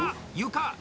床！